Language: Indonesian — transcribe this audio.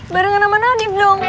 barengan sama nadif dong